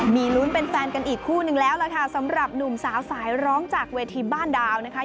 มีลุ้นเป็นแฟนกันอีกคู่นึงแล้วล่ะค่ะสำหรับหนุ่มสาวสายร้องจากเวทีบ้านดาวนะคะ